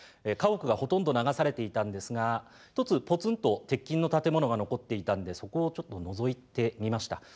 家屋がほとんど流されていたんですが一つぽつんと鉄筋の建物が残っていたんでそこをちょっとのぞいてみました。